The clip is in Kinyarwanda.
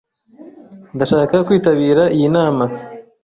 Ndashaka kwitabira iyi nama.